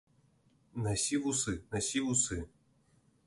Насі вусы, насі вусы!